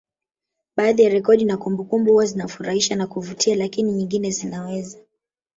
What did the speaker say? Baadhi ya rekodi na kumbukumbu huwa zinafurahisha na kuvutia lakini nyingine zinaweza